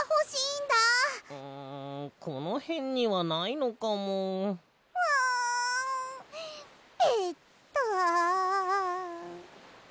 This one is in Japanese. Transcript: んこのへんにはないのかも。んベタン。